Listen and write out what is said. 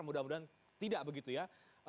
mudah mudahan tidak begitu ya